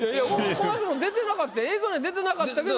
小松も出てなかった映像には出てなかったけど。